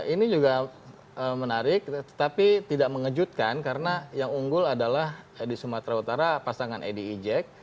ini juga menarik tapi tidak mengejutkan karena yang unggul adalah di sumatera utara pasangan edi ijek